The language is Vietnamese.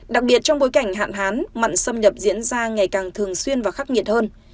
đặc biệt trong bối cảnh hạn hán mặn xâm nhập diễn ra ngày càng thường xuyên và khắc nghiệt hơn